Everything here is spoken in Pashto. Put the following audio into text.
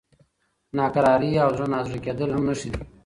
ناکراري او زړه نازړه کېدل هم نښې دي.